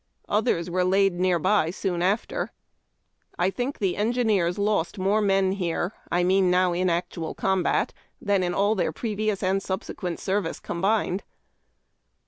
Others were laid near by soon after. 392 HARD TACK AND COFFEE. I tliink the engineers lost more men here — I mean now in actual combat — than in all their previous and subsequent service combined.